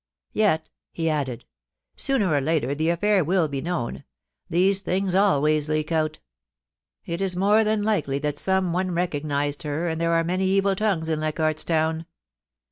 Yet,' he added, ' sooner or later the affair will be known ; these things always leak out It is more than likely that some one recognised her, and there are many evil tongues in Leichardt's Town.